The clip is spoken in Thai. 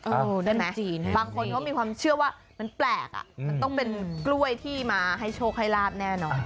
ได้ไหมบางคนเขามีความเชื่อว่ามันแปลกอ่ะมันต้องเป็นกล้วยที่มาให้โชคให้ลาบแน่นอน